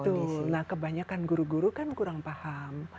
betul nah kebanyakan guru guru kan kurang paham